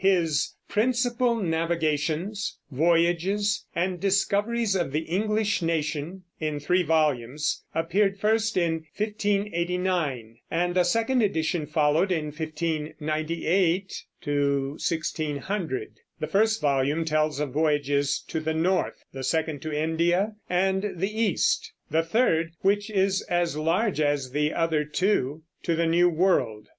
His Principal Navigations, Voyages, and Discoveries of the English Nation, in three volumes, appeared first in 1589, and a second edition followed in 1598 1600. The first volume tells of voyages to the north; the second to India and the East; the third, which is as large as the other two, to the New World.